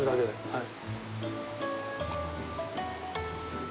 はい。